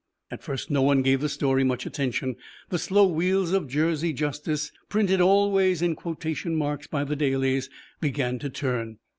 At first no one gave the story much attention. The slow wheels of Jersey justice printed always in quotation marks by the dailies began to turn.